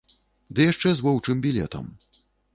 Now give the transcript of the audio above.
Ды яшчэ з воўчым білетам.